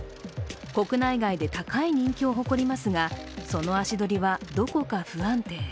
国内外で高い人気を誇りますがその足取りはどこか不安定。